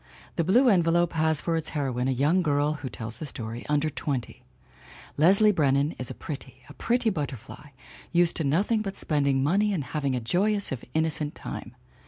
The Blue Envelope has for its heroine a young girl (who tells the story) under twenty. Leslie Brennan is pretty, a pretty butterfly, used to nothing but spend ing money and having a joyous if innocent time.